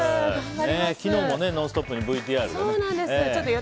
昨日も「ノンストップ！」のＶＴＲでね。